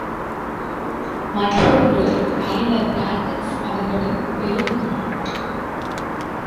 மற்றொன்று அறிஞர் பிளேட்டின்ஸ் அவர்களின் பெரும் நூல்.